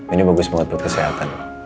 ini bagus banget buat kesehatan